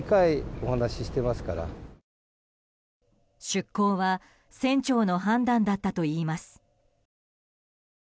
出航は船長の判断だったといいます。